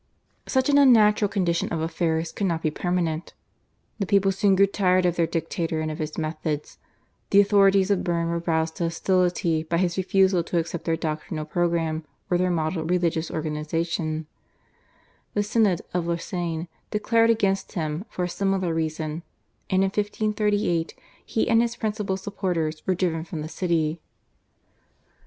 Such an unnatural condition of affairs could not be permanent. The people soon grew tired of their dictator and of his methods; the authorities of Berne were roused to hostility by his refusal to accept their doctrinal programme or their model religious organisation; the Synod of Lausanne declared against him for a similar reason, and in 1538 he and his principal supporters were driven from the city.